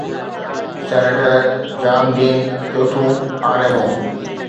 senator John Dean چوٿون R-Mo